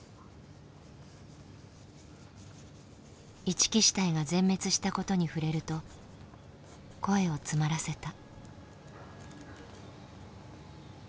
一木支隊が全滅したことに触れると声を詰まらせた。